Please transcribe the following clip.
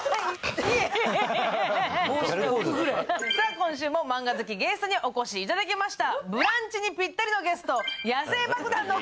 今週もマンガ好きゲストにお越しいただきました。